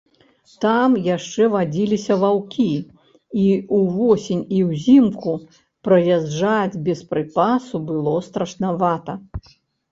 Там яшчэ вадзіліся ваўкі, і ўвосень і ўзімку праязджаць без прыпасу было страшнавата.